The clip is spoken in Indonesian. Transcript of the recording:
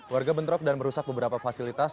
warga bentrok dan merusak beberapa fasilitas